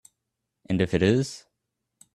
And if it is?